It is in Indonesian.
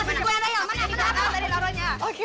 kalau gak bisa gue yang layak